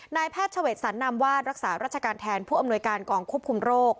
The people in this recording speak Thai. นายแพทย์เฉวดสรรนามวาดรักษาราชการแทนผู้อำนวยการกองควบคุมโรค